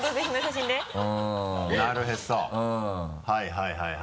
はいはい。